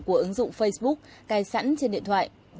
của ứng dụng facebook cài sẵn trên điện thoại